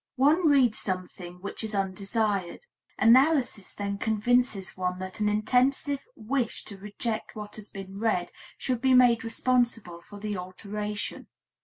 One reads something which is undesired; analysis then convinces one that an intensive wish to reject what has been read should be made responsible for the alteration.